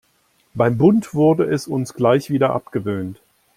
Beim Bund wurde es uns gleich wieder abgewöhnt.